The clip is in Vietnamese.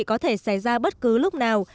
có thể xảy ra bất cứ lúc nào